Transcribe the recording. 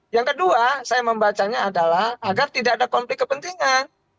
yang kedua saya membacanya adalah agar tidak ada konflik kepentingan